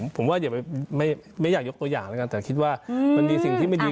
ผมว่าไม่อยากยกตัวอย่างแต่คิดว่ามันมีสิ่งที่ไม่ดี